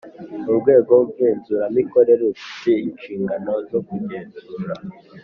Urwego ngenzuramikorere rufite inshingano zo kugenzura